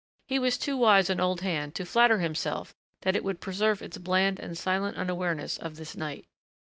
He was too wise an old hand to flatter himself that it would preserve its bland and silent unawareness of this night.